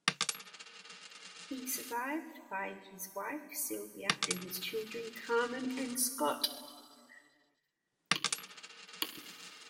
He was survived by his wife, Sylvia, and his children Carmen and Scott.